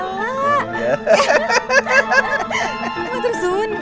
lu terus sun g